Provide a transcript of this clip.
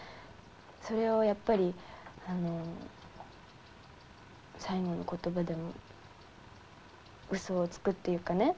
それをやっぱり最後の言葉でもうそをつくっていうかね